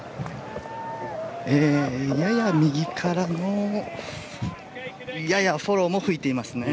やや右からのややフォローも吹いていますね。